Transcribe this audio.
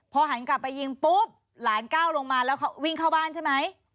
พอหันกลับไปยิงปุ๊บหลานก้าวลงมาแล้ววิ่งเข้าบ้านใช่ไหม